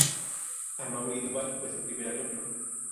Amaury Duval fue su primer alumno.